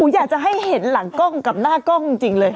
อยากจะให้เห็นหลังกล้องกับหน้ากล้องจริงเลย